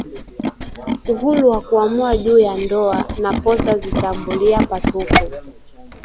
uhuru wa kuamua juu ya ndoa na posa zitaambulia patupu